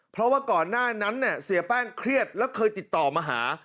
เพราะว่าก่อนหน้านั้นเสียแป้งเครียดแล้วเคยติดต่อมาหา